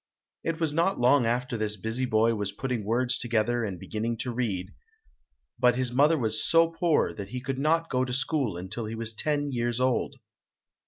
It was not long before this busy boy was putting words together and beginning to read, but his mother was so poor that he could not go to school until he was ten years old.